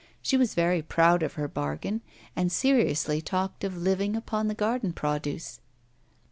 She was very proud of her bargain, and seriously talked of living upon the garden produce.